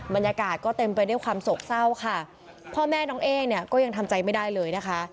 บรรยากาศก็เต็มไปด้วยความโศกเศร้าค่ะพ่อแม่น้องเอ๊เนี่ยก็ยังทำใจไม่ได้เลยนะคะ